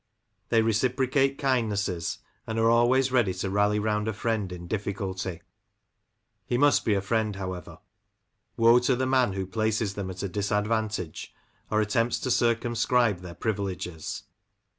They reciprocate kindnesses, and are always ready to rally round a friend in difficulty; he must be a friend, however; woe to the man who places them at a disadvantage, or attempts to circumscribe their privileges